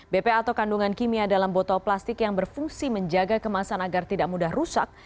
bpa atau kandungan kimia dalam botol plastik yang berfungsi menjaga kemasan agar tidak mudah rusak